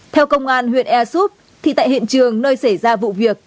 theo công an huyện e súp tại hiện trường nơi xảy ra vụ việc